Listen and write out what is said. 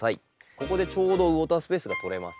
ここでちょうどウォータースペースが取れます。